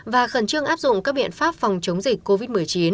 và khẩn trương áp dụng các biện pháp phòng chống dịch covid một mươi chín